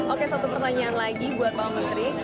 oke satu pertanyaan lagi buat pak menteri